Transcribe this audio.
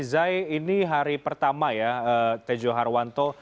zai ini hari pertama ya tejo harwanto